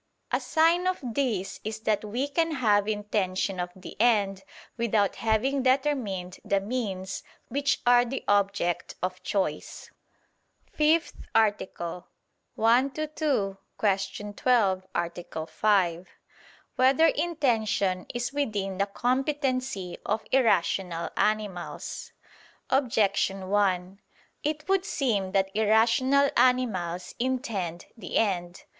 A sign of this is that we can have intention of the end without having determined the means which are the object of choice. ________________________ FIFTH ARTICLE [I II, Q. 12, Art. 5] Whether Intention Is Within the Competency of Irrational Animals? Objection 1: It would seem that irrational animals intend the end.